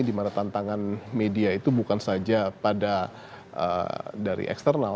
di mana tantangan media itu bukan saja pada dari eksternal